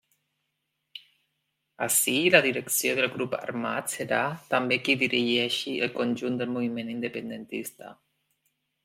Així, la direcció del grup armat serà, també, qui dirigeixi el conjunt del moviment independentista.